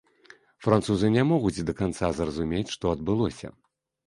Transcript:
Французы не могуць да канца зразумець, што адбылося.